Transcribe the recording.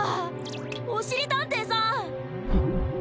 おしりたんていさん！